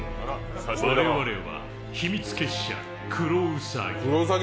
我々は、秘密結社クロウサギ。